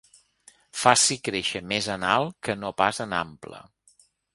Faci créixer més en alt que no pas en ample.